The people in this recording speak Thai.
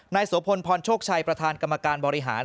โสพลพรโชคชัยประธานกรรมการบริหาร